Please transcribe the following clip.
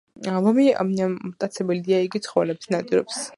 ლომი მტაცებელია იგი ცხოველებზე ნადირობს